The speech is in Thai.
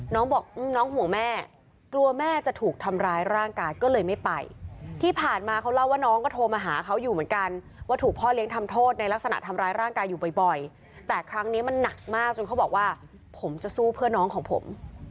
น้องบอกน้องห่วงแม่กลัวแม่จะถูกทำร้ายร่างกายก็เลยไม่ไปที่ผ่านมาเขาเล่าว่าน้องก็โทรมาหาเขาอยู่เหมือนกันว่าถูกพ่อเลี้ยงทำโทษในลักษณะทำร้ายร่างกายอยู่บ่อยแต่ครั้งนี้มันหนักมากจนเขาบอกว่าผมจะสู้เพื่อน้องของผม